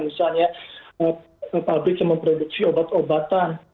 misalnya pabrik yang memproduksi obat obatan